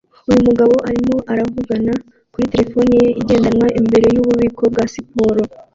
Uyu mugabo arimo avugana kuri terefone ye igendanwa imbere yububiko bwa siporo